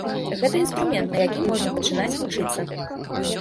Гэта інструмент, на якім можна пачынаць вучыцца.